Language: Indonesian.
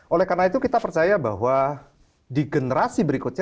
oleh karena itu kita percaya bahwa di generasi berikutnya